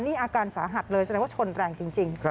นี่อาการสาหัสเลยแสดงว่าชนแรงจริง